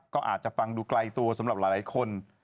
ก็อาจจะฟังดูไกลตัวสำหรับหลายคน